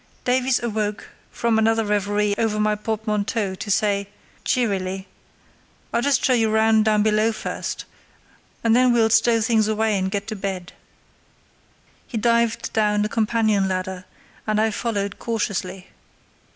Davies awoke from another reverie over my portmanteau to say, cheerily: "I'll just show you round down below first, and then we'll stow things away and get to bed." He dived down a companion ladder, and I followed cautiously.